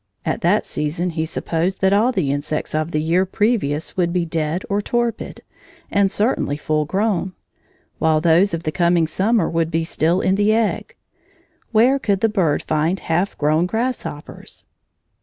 At that season he supposed that all the insects of the year previous would be dead or torpid, and certainly full grown, while those of the coming summer would be still in the egg. Where could the bird find half grown grasshoppers?